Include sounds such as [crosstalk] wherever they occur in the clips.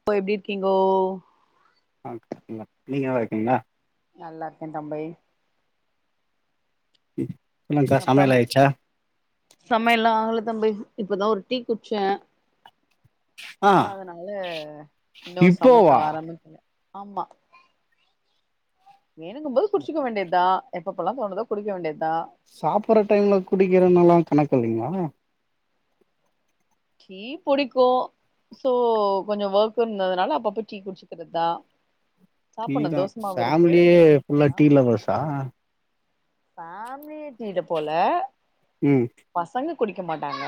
இப்ப எப்டி இருக்கீங்கோ ஆ நல்லா இருக் நீங்க நல்லா இருக்கீங்களா நல்லா இருக்கே தம்பி ம் என்னங்க்கா அப்றம் சமையல் ஆயிர்ச்சா சமையல்லா ஆகல தம்பி இப்பதா ஒரு டீ குடிச்சே ஆ அதனால இன்னு சமைக்க இப்போவா ஆரம்பிக்கல ஆமா வேணுங்கும் போது குடிச்சிக்க வேண்டியதுதா எப்பெப்லா தோணுதோ குடிக்க வேண்டியதுதா சாப்ட்ற டைம்ல குடிக்கிறதுனால கணக்கு இல்லைங்களா டீ பிடிக்கு சோ கொஞ்சோ ஒர்க் இருந்ததுனால அப்பப்ப டீ குடிச்சிக்கிறது தா டீ தா ஃபேமிலியே தோச ஃபுல்லா ஊத்தலா டீ லவ்வர்சா ஃபேமிலியே டீ ல போல ம் பசங்க குடிக்க மாட்டாங்க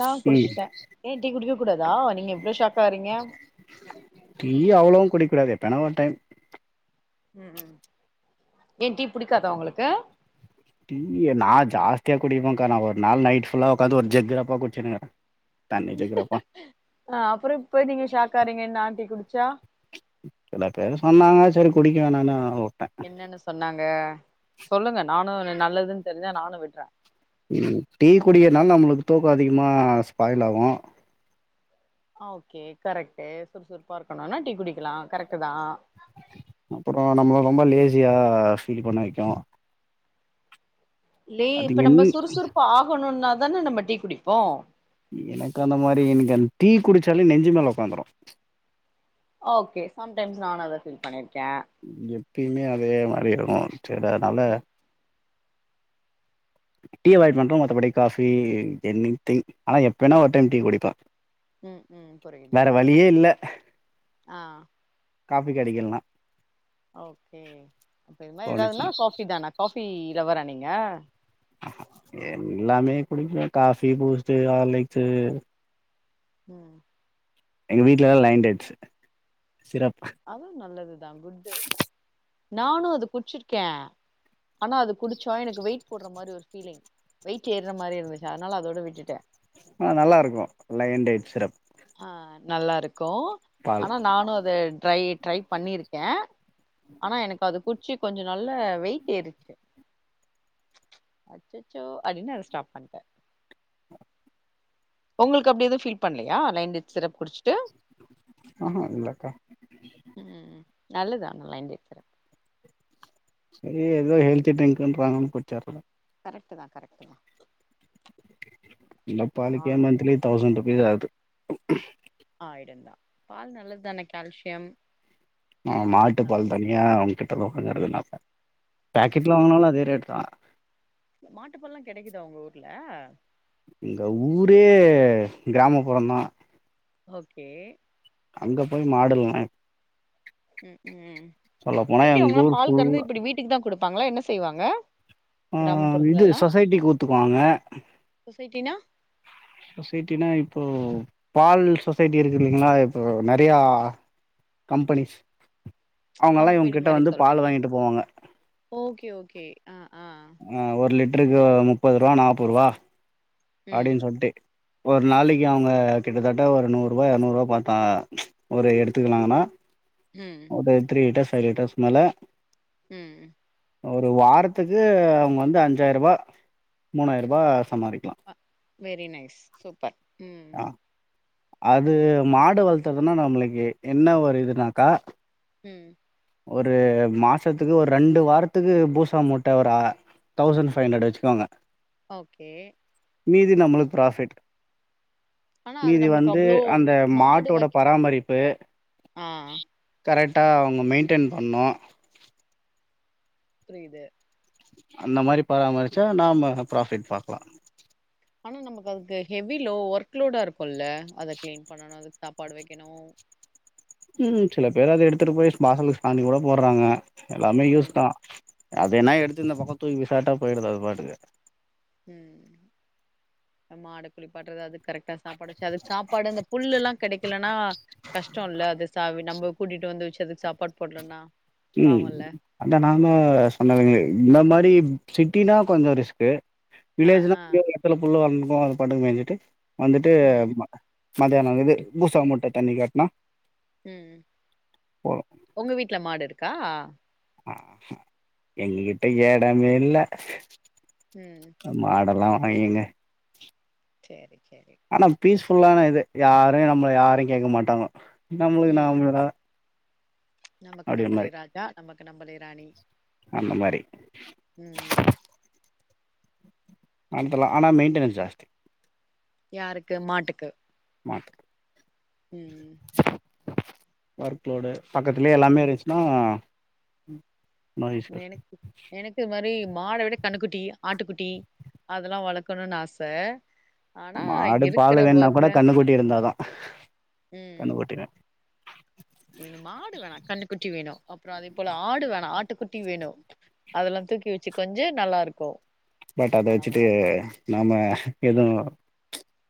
நா ம் குடிச்ட்டே ஏ டீ குடிக்க கூடாதா நீங்க இவ்ளோ ஷாக் சரிங்க டீ அவ்ளவு குடிக்க கூடாது எப்பனா ஒரு டைம் ம் ம் எ டீ புடிக்காதா உங்களுக்கு டீ நா ஜாஸ்தியா குடிப்ப கா நா ஒரு நாள் நைட்ஃபுல்லா உக்காந்து ஒரு ஜக்கு ரேப்ப குடிச்சுனுக்ற ஆ அப்புறோ இப்போ நீங்க ஷாக் ஆறீங்க நா டீ குடிச்சா சில பேரு சொன்னாங்க சேரி குடிக்க வேணானு உட்ட என்னன்னு சொன்னாங்க சொல்லுங்க நானு நல்லதுன்னு தெரிஞ்சா நானு விட்ற டீ குடிக்கறனால நம்மளுக்கு தூக்கோ அதிகமாக ஸ்பாயில் ஆகு அ ஓகே கரெக்ட் சுறுசுறுப்பா இருக்கணுனா டீ குடிக்கலா கரெக்ட் தா அப்புறோ நம்மள ரொம்ப லேஸியா ஃபீல் பண்ண வெக்கு லே இப்ப அதுக்கு நம்ம என்ன சுறுசுறுப்பு ஆகணுனா தான நம்ம டீ குடிப்போ எனக்கு அந்த மாரி எனக்கு அந்த டீ குடுச்சாலே நெஞ்சு மேல உக்காந்துரு ஓகே சம்டைம்ஸ் நானு அத ஃபீல் பண்ணிருக்க எப்பயுமே அதே மாரி இருக்கு சேரி அதனால ம் டீ அவாய்ட் பண்ட மத்தபடி காஃபி எனித்திங் ஆனா எப்பனா ஒரு டைம் டீ குடிப்ப ம் ம் புரிது லியே இல்ல ஆ காஃபி கடைக்கலனா ஓகே அப்ப இது மாரி எதாதுன்னா தோணுச்சுன்னா காஃபி தானா காஃபி லவ்வரா நீங்க எல்லாமே குடிக்குவ காஃபி பூஸ்டு ஆர்லிக்ஸு ம் எங்க வீட்லல்லா லைன்டேட்ஸ் சிரப் அதுவு நல்லதுதா குட்டு நானு அது குட்ச்சிருக்க ஆனா அது குடிச்ச எனக்கு வெயிட் போட்ற மாரி ஒரு ஃபீலிங் வெயிட் ஏற்ர மாரி இருந்துச்சு அதனால அதோட விட்டுட்ட ஆ நல்லா இருக்கு லைன்டேட் சிரப் ஆ நல்லா இருக்கும் பால் அனா நானு அதை ட்ரை ட்ரை பண்ணிருக்க ஆனா எனக்கு அது குட்ச்சி கொஞ்சம நல்ல வெய்ட் ஏறுச்சு அச்சச்சோ அப்டின்னு அத ஸ்டாப் பண்ணிட்ட உங்களுக்கு அப்டி எதுவு ஃபில் பண்லையா லைன்டேட் சிரப் குடிச்சுட்டு ம்ஹு இல்லக்கா ம் நல்லது ஆனா லைன்டேட் சிரப் சரி ஏதோ ஹெல்த் டிரிங்கறாங்கன் குட்சர்ர கரெக்ட்டு தா கரெக்டு தா இல்ல பாலுக்கே மந்த்லி தௌசண்ட் ருபீஸ் ஆகுது ஆய்டுந்தா பால் நல்லது தான கால்சியம் மாட்டு பால் நல்லது தான தனியா அவுங்க கிட்ட லோக்கல்ல [unintelligible] ம் பேக்கெட்ல ம் வாங்கனாலு அதே ரேட் தா மாட்டுப்பால்லா கெடைக்குதா உங்க ஊர்ல இங்க ஊரே கிராமப்புறந்தா ஓகே அங்க போய் மாடுயில்லனா ம்க்கு எப்டி அவுங்கல்லா ஊர் பால் கறந்து ஃபுல்லா இப்டி வீட்டுக்கு தா குடுப்பாங்களா என்ன செய்வாங்க ம் இது கிராமப்புறத்துலல்லா சொசைட்டிக்கு ஊத்துவாங்க சொசைட்டினா சொசைட்டினா இப்போ பால் சொசைட்டிருக்குல்லிங்ளா இப்போ நெறையா கம்பெனிஸ் அவங்கலா இவங்க கம்பெனி கிட்ட மாரி வந்து பால் சொல்றீங்க வாங்கிட்டு போவாங்க ஓகே ஓகே ஆ ஆ ஆ ஒரு லிட்டருக்கு முப்பதுருவா நாப்போருவா ம் அப்டின்னு சொல்ட்டு ஒரு நாளைக்கு அவங்க கிட்டத்தட்ட ஒரு நூறுவா எரநூறுவா பாத்தாங்க ஒரு எடுத்துக்குனாங்ன்னா ம் பெ த்ரீ லிட்டர்ஸ் ஃபைவ் லிட்டர்ஸ்க் மேல ம் ஒரு வாரத்துக்கு அவுங்க வந்து அஞ்சாயிருவா மூணாயிரூபா சம்பாரிக்கலா அ வெரி நைஸ் சூப்பர் ம் ஆ அது மாடு வளத்துறதுன்னா நம்மளுக்கு என்ன ஒரு இதுனாக்கா ம் ஒரு மாசத்துக்கு ஒரு ரெண்டு வாரத்துக்கு பூசா மூட்ட ஒர தௌசண் ஃபைவ் கன்ட்ரட் வச்சுகோங்க ஓகே மீதி நம்மளுக் ப்ராஃபிட் ஆனா அது மீதி நம்மளுக்கு வந்து அவ்ளோ அந்த மாடு மாட்டோட வைக் பராமரிப்பு ஆ கரெக்டா அவ்ங்க மெயின்டென் பண்ணு புரிது அந்த மாரி பராமரிச்சா நாம ப்ராஃபிட் பாக்கலா ஆனா நமக்கு அதுக்கு ஹெவி லோ ஒர்க் லோடாருக்குல்ல அத கிளீன் பண்ணணு அதுக்கு சாப்பாடு வைக்கணு ம் சில பேரு அத எடுத்துட்டு போய் வாசலுக் சாணிகூட போடுறாங்க எல்லாமே ம் யூஸ்தா அது என்ன எடுத்து இந்த பக்கொ தூக்கி விசாட்டா போயிடுது அது பாட்டுக்கு ம் அ மாடக்குளிப்பாட்றது அதுக் கரெக்டா சாப்பாடு வச்சு அதுக் சாப்பாடு அந்த புல்லுல்லா கெடைக்கலன்னா கஷ்டோல்ல அது சாவி நம்ப கூட்டிட்டு வந்து வச்சு அதுக்கு சாப்பாடு போட்லனா ம் அதா நாங்க சொன்னதுங்களே இந்த மாரி சிட்டினா கொஞ்சொ ரிஸ்க்கு ஆ வில்லேஜ்னா ஆ எங்யோ எடத்துல புல்லு வளந்துக்கு அது பாட்டுக்கு மேஞ்சிட்டு வந்துட்டு ம் மத்தியானொ இது பூசா மூட்ட தண்ணீ காட்னா ம் ம் போது ஒங்க வீட்ல மாடுருக்கா ம் ம் எங்ககிட்ட எடமேல்ல ம் அந் மாடெல்லா வாங்கினு சேரி சேரி ஆனா பீஸ்ஃபுல்லான இது யாரையு நம்ம யாரையு கேக்க மாட்டாங்க நம்மளுக்கு ம் நாமேதா நமக்கு நம்பளே ராஜா நமக்கு நம்பளே ராணி அந்த மாரி ம் ஆரம்பத்துல ஆனா மெயின்டெனன்ஸ் ஜாஸ்தி யாருக்கு மாட்டுக்கு மாட்டு ம் ஒர்க் லோடு பக்கத்துல்லயே எல்லாமே ம் இருந்ச்சுன்னா எனக் எனக்கு இது மாரி மாட விட கண்ணுக்குட்டி ஆட்டுக்குட்டி அதெல்லா வளக்கணுனு ஆச ஆனா மாடு இருக்குற பால் வேணுனா கூட ஒர்க்குல கன்னுக்குட்டி இருந்தாதா ம் கன்னுக்குட்டி வேணும். என மாடு வேணா கண்ணுக்குட்டி வேணு அப்புறோ அதே போல ஆடு வேணா ஆட்டுக்குட்டி வேணு அதெல்லா தூக்கி வச்சு கொஞ்ச நல்லா இருக்கு பட் அத ஆனா வச்சுட்டு வாழ் நாம எதுவு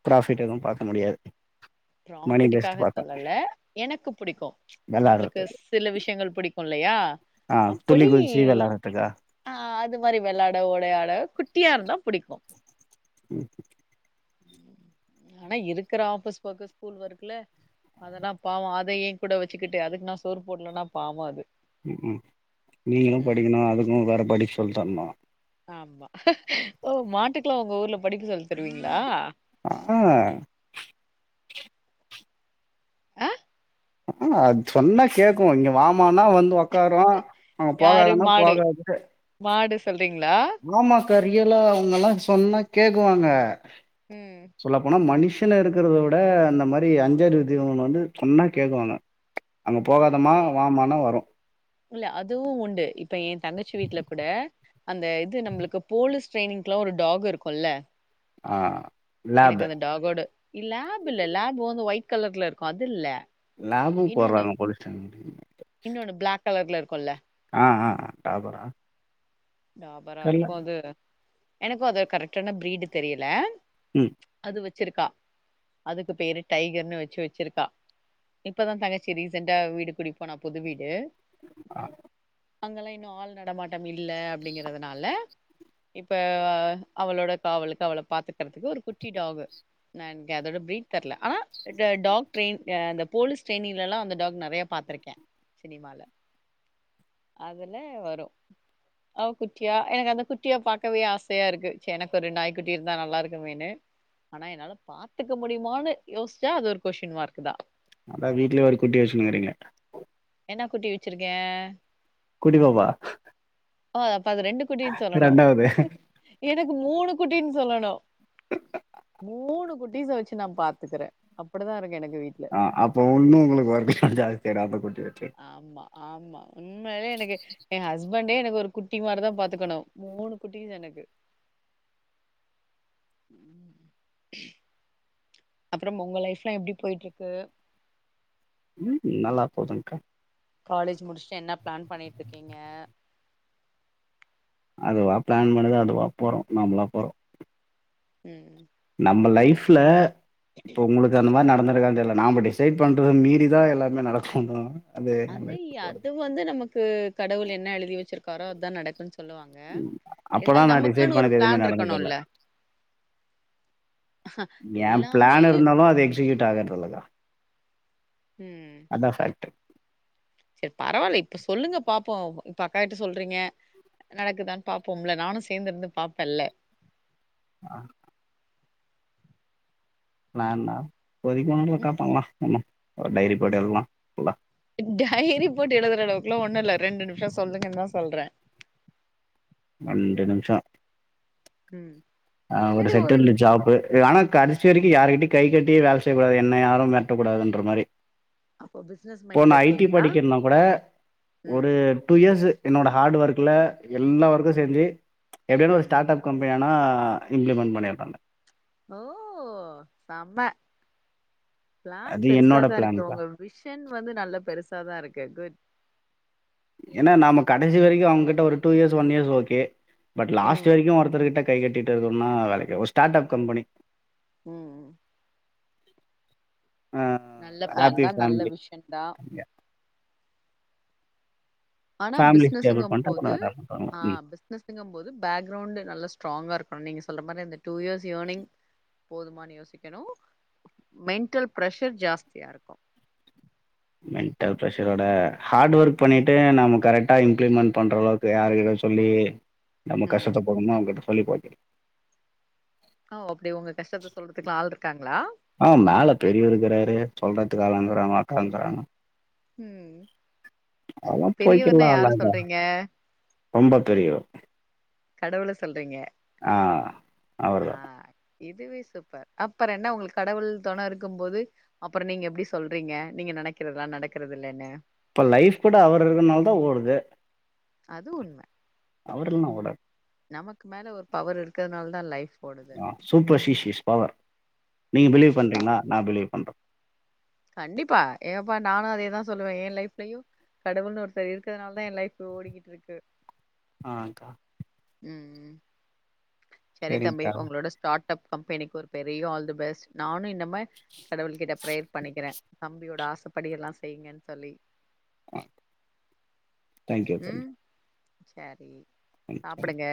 ப்ராஃபிட் எதுவு பாக்க முடியாது மணி பேஸ்ட் ப்ராஃபிட்டுக்காக பாக்க சொல்லல எனக்கு புடிக்கு நம்மளுக் வெளாட்றதுக்கு சில விஷயங்கள் புடிக்குல்லயா ஆ துள்ளி அப்படி குதிச்சு வெளாட்றதுக்கா ஆ அது மாரி வெளாட ஓடயாட குட்டியா இருந்தா புடிக்கு ம் [inaudible] ஆனா இருக்கிற ஆபீஸ் வொர்கஸ் ஸ்கூல் ஒர்க்குல அதெலா பாவோ அத ஏ கூட வச்சுக்கிட்டு அதுக்கு நா சோறு போடலனா பாவோ அது ம் ம் நீங்களு ம் படிக்ணு அதுக்கு வேற படிக்க சொல்லிதர்ணு ஆமா ஓ மாட்டுக்குல்லா உங்க ஊர்ல படிக்க சொல்லி தருவீங்களா ஆ அ ஆமா அது சொன்னா கேக்கு இங்க வாமானா வந் ஒக்காரு அங்க யாரு போகாதன்னா மாடு போகாது மாடு சொல்றீங்ளா ஆமா கா ரியலா அவங்க எல்லா சொன்னா கேக்குவாங்க ம் சொல்ல போனா மனுஷன் சொல்லப்போன்னா மனுஷன்னா இருக்கிறத விட அந்த மாரி அஞ்சறிவு ஜீவன் வந்து சொன்னா கேக்குவாங்க அங்க போகாதமா ஓகே வாமானா வரு இல்ல அதுவு உண்டு இப்ப எ தங்கச்சி வீட்ல குட அந்த இது நம்மளுக்கு போலீஸ் ட்ரைனிங்குலா ஒரு டாக் இருக்குல்ல ஆ லேப் டாகோடு லேப் இல்ல லேப் வந்து ஒயிட் கலர்ல இருக்கு அது இல்ல லாப்பு இன்னொன்னு போற்றாங்க போலீஸ் டிரைனிங்கி இன்னொன்னு பிளாக் கலர்ல இருக்குல்ல ஆ ஆ டாபரா டாபரா தெர்ல இருக்கு அது எனக்கு அத கரெக்டான ப்ரீடு தெரியல ம் அது வச்சிருக்கா அதுக்கு பேரு டைகர்னு வச்சு வச்சிருக்கா இப்பதா தங்கச்சி ரீசெண்டா வீடு குடிப்போனா புது வீடு ஆஹ [inaudible] அங்கெல்லா இன்னு ஆள் நடமாட்டம் இல்ல அப்படிங்கறதுனால இப்ப அவளோட காவலுக்கு அவள பாத்துக்கறதுக்கு ஒரு குட்டி டாகு னக் அதோட பிரீட் தெர்ல ஆனா டாக் டிரைன் அ அந்த போலீஸ் ட்ரைனிங்லெல்லா அந்த டாக் நிறையா பாத்துருக்கே சினிமால அதெல்ல வரு ஆ குட்டியா எனக் அந்த குட்டியா பாக்கவே ஆசையா இருக்கு செ எனக் ஒரு நாய் குட்டி இருந்தா நல்லா இருக்குமேன்னு ஆனா என்னால பாத்துக்க முடியுமான்னு யோஸ்ச்சா அது ஒரு கொஷ்டின் மார்க் தா அதா வீட்லயே ஒரு குட்டி வச்சுண்ருகிங்களே என்ன குட்டி வச்சிருக்கே குட்டி பாப்பா ஆ அப்ப அது ரெண்டு குட்டின் சொல்லணு எனக் மூணு குட்டின் சொல்லணு மூணு குட்டிஸ வச்சு நா பாத்துக்கற அப்டிதா இருக்கு எனக்கு வீட்ல அப்ப ஒன்னும் உங்களுக்கு [unintelligible] குட்டி வச்சு ஆமா ஆமா உண்மையாவே எனக்கு எ ஹஸ்பண்டே எனக்கு ஒரு குட்டி மாரி தா பாத்துக்கணு மூணு குட்டிஸ் எனக்கு ம் அப்புறம் உங்க லைஃப்லா எப்டி போயிட்டுருக்கு ம் நல்லா போதுங்க்கா காலேஜ் முடிச்சுட்டு என்ன பிளான் பண்ணிட்டுருக்கீங்க அதுவா பிளான் பண்ணுது அதுவ போறோ நம்மளா போறோ ம் ம் நம்ம லைஃப்ல இப்ப உங்களுக் இது அந்த மாரி நடந்துருக்கா தெரில நாம டிசைடு பண்றது மீறிதா எல்லாமே நடக்கணு அதுய் அது வந்து நமக்கு கடவுள் என்ன எழுதி வச்சிருக்காரோ அதுதா நடக்கு சொல்லுவாங்க அப்பலாம் ஏதால் நான் டிசைட் நமக்குன்னு ஒரு பண்ணது எதுவுமே நடந்ததில்ல. பிளான்ருக்கணுல்ல ஏ பிளான் இருந்தாலு அது எக்ஸிக்யூட் ஆகறதில்லக்கா ம் அதா ஃபேக்ட்டு சேரி பரவாயில்ல இப்ப சொல்லுங்க பாப்போ இப்ப அக்கா கிட்ட சொல்றீங்க நடக்குதான்னு பாப்போம்ல நானு சேந்திருந்து பாப்பேல்ல ஆ பிளான்னா இப்போதிக்கு ஒண்ணு இல்லக்கா பண்லா பண்லா ஒரு டைரி போட்டு எழுதலா டைரி போட்டு எழுதுற அளவுக்குலா ஒண்ணு இல்ல ரெண்டு நிமிஷோ சொல்லுங்கன்னு தா சொல்ற ரெண்டு நிம்ஷோ ம் ஆ ஒரு செரி சென்டன்ல நிமிஷோ ஜாபு ஆனா கடைச வரைக்கு யாருகிட்டையு கை கட்டியே வேல செய்யக்கூடாது என்ன யாரும் மெரட்டக்கூடாதுன்ற மாரி அப்போ பிசினஸ் இப்போ நா மைண்ட்ல ஐ டி இருக்கீங்களா படிக்கிறனா கூட ஒரு ம் டூ இயர்ஸ்சு என்னோட ஹார்டு ஒர்க்குல எல்லா ஒர்க்கு செஞ்சு எப்டினு ஒரு ம் ஸ்டார்ட் அப் கம்பெனி ஆனா இம்ப்ளிமெண்ட் பண்ணிருப்பாங்க ஓ செம பிளான் அது என்னோட பெருசாதா இருக்கு பிளான்க்கா உங்க விஷன் வந்து நல்ல பெருசாதா இருக்கு குட் ஏன்னா நாம கடைசி வரைக்கு அவுங்ககிட்ட ஒரு two years one years okay but last ம் வரைக்கு ஒருத்தர்கிட்ட கை கட்டிட்டு இருக்கனுன்னா வேளைக்கு ஆவா ஒரு ஸ்டார்ட் அப் கம்பெனி ம் ம் ஆ நல்ல பிளான் ஹாப்பி தா நல்ல ஃபேமிலி விஷன் தா ஆனா ஃபேமிலி ஸ்டேபிள் பிஸ்னஸ்ங்கம் பண்ணிட்டு போது அப்புறம் வேற பண்றாங்க ஆ ம் பிஸ்னஸ் ங்கும் போது பேக்ரவுண்டு நல்லா ஸ்ட்ராங்கா இருக்கனு நீங்க சொல்ற மாரி அந்த டூ இயர்ஸ் இயர்னிங் போதுமானு யோசிக்கணு மென்ட்டல் ப்ரஷர் ஜாஸ்தியா இருக்கு மென்ட்டல் பிரஷரோட ஹார்டு ஒர்க் ம் பண்ணிட்டு நம்ம கரெக்ட் டா இம்ப்ளிமெண்ட் பண்ற அளவுக்கு யாருகிட்ட சொல்லி நம்ம ம் கஷ்டத்த போக்கணுமோ அவுங்ககிட்ட சொல்லி போக்கி அ ஓ அப்டி உங்க கஷ்டத்த சொல்றதுக்குலா ஆள் இருக்காங்களா ஆ மேல பெரியவர் இருக்கிறாரு சொல்றதுக்கு ஆள் இருக்குறாங்கோ அக்கா இருக்குறாங்க ம் அதா பெரியவர்னா போய்கிடலா யார [unintelligible] சொல்றீங்க ரொம்ப பெரியவர் கடவுள சொல்றீங்க ஆ ஆ அவர்தா இதுவே சூப்பர் அப்பறென்ன உங்ளுக் கடவுள் தொன இருக்கும் போது அப்பறு நீங்க எப்டி சொல்றீங்க நீங்க நெனைக்றததுலா நடக்கறதில்லன்னு இப்ப லைஃப் கூட அவர் இருக்குனாலதா ஓடுது அது உண்ம அவர் இல்லனா ஓடாது நமக்கு மேல ஒரு பவர் இருக்கிறதுனாலதா லைஃப் ஓடுது சூப்பர்ஷிஷியஸ் பவர் நீங்க பிலீவ் கண்டிப்பா பண்றீங்ளா நா பிலீவ் பண்ற கண்டிப்பா ஏம்பா நானு அதேதா சொல்லுவே என் லைஃப்லயு கடவுள்னு ஒருத்தர் இருக்கிறதுனாலதா என் லைஃப் ஓடிக்கிட்ருக்கு ஆன்க்கா ம் ம் சரி தம்பி சரிங்க்கா உங்ளோட ஸ்டாட்டப் கம்பெனிக்கு ஒரு பெரிய ஆல் த பெஸ் நானு இன்னம கடவுள் கிட்ட பிரேய்ர் பண்ணிக்கிற தம்பியோட ஆசப்படி எல்லா செய்ங்கன் சொல்லி தேங்க்யூ ம் தேங்க்யூ செரி ம் சரி சாப்பிடுங்க